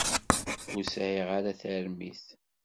Ur sɛiɣ ara tarmit.